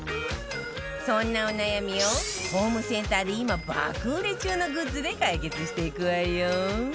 そんなお悩みをホームセンターで今爆売れ中のグッズで解決していくわよ